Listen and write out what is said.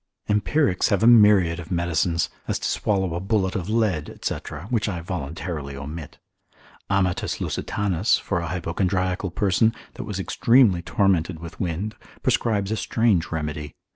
Empirics have a myriad of medicines, as to swallow a bullet of lead, &c., which I voluntarily omit. Amatus Lusitanus, cent. 4. curat. 54. for a hypochondriacal person, that was extremely tormented with wind, prescribes a strange remedy.